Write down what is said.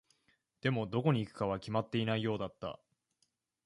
でも、どこに行くかは決まっていないようだった。